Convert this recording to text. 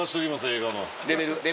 映画の。